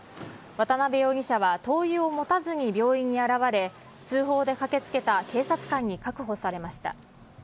渡辺容疑者は灯油を持たずに病院に現れ、通報で駆けつけた警察官に確保されました。